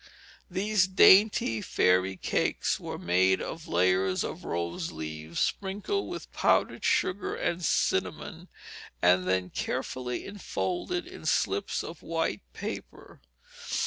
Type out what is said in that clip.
These dainty fairy cakes were made of layers of rose leaves sprinkled with powdered sugar and cinnamon, and then carefully enfolded in slips of white paper.